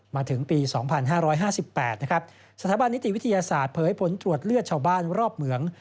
มาถึงปี๒๕๕๘นะครับสถาบันนิติวิทยาศาสตร์เผยผลตรวจเลือดชาวบ้านรอบเหมือง